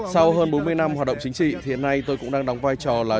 sau hơn bốn mươi năm hoạt động chính trị thì hiện nay tôi cũng đang đóng vai trò là